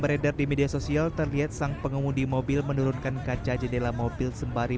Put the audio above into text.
beredar di media sosial terlihat sang pengemudi mobil menurunkan kaca jendela mobil sembari